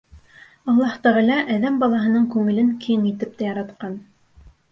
Аллаһ Тәғәлә әҙәм балаһының күңелен киң итеп яратҡан.